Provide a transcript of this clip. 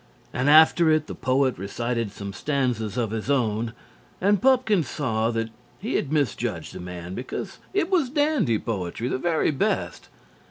And after it the poet recited some stanzas of his own and Pupkin saw that he had misjudged the man, because it was dandy poetry, the very best.